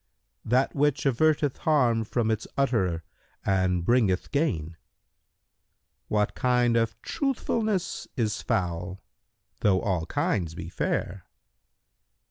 "—"That which averteth harm from its utterer and bringeth gain." Q "What kind of truthfulness is foul, though all kinds are fair?"